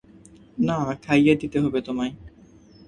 না, খাইয়ে দিতে হবে তোমায়।